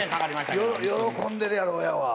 喜んでるやろ親は。